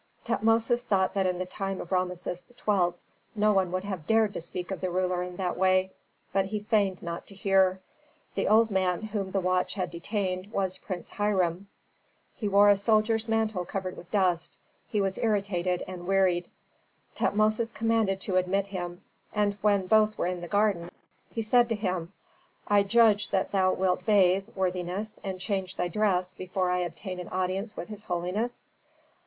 Tutmosis thought that in the time of Rameses XII. no one would have dared to speak of the ruler in that way. But he feigned not to hear. The old man whom the watch had detained was Prince Hiram. He wore a soldier's mantle covered with dust; he was irritated and wearied. Tutmosis commanded to admit him, and when both were in the garden, he said to him, "I judge that thou wilt bathe, worthiness, and change thy dress before I obtain an audience with his holiness?"